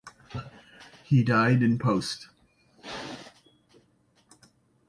He died in post.